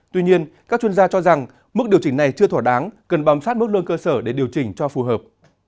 tuy nhiên các chuyên gia cho rằng mức điều chỉnh này chưa thỏa đáng cần bám sát mức lương cơ sở để điều chỉnh cho phù hợp